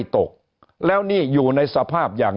หนี้ครัวเรือนก็คือชาวบ้านเราเป็นหนี้มากกว่าทุกยุคที่ผ่านมาครับ